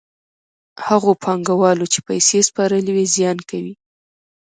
هغو پانګوالو چې پیسې سپارلې وي زیان کوي